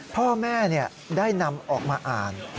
พ่อแม่ได้นำออกมาอ่าน